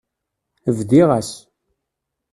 Bdiɣ-as.